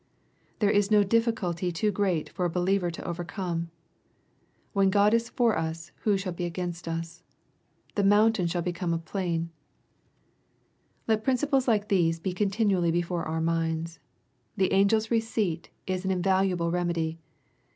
— There is no difficulty too great for a believer to overcome. When Grod is for us who shall be against us ? The mountain shall become a plain. —^^ Let principles like these be continually before our minds. The angel's receipt is an invaluable remedy.